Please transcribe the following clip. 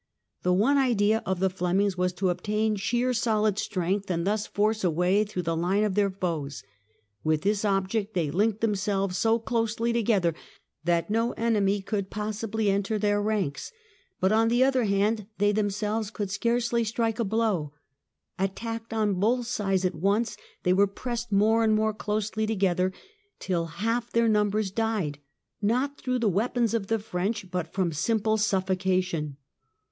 The one idea of the Flem ings was to obtain sheer solid strength and thus force a way through the Hne of their foes ; with this object they linked themselves so closely together that no enemy could possibly enter their ranks, but on the other hand they themselves could scarcely strike a blow. Attacked on both sides at once, they w^ere pressed more and more closely together till half their number died, not through the weapons of the French, but from simple suffocation.